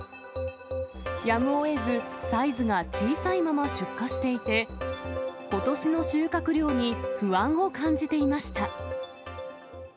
やむをえず、サイズが小さいまま出荷していて、ことしの収穫量に不安を感じていました。